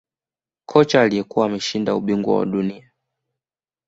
Kocha aliyekuwa ameshinda ubingwa wa dunia